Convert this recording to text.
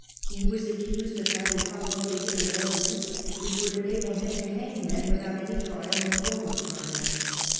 He was accused of having promulgated an ordinance wMch would enable him to hang men without any trial or form of trial.